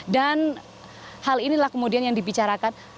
dan hal inilah kemudian yang dibicarakan